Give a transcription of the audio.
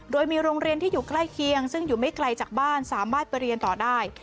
โดยมีโรงเรียนที่อยู่ใกล้เคียงซึ่งอยู่ไม่ไกลจากบ้านสามารถไปเรียนต่อได้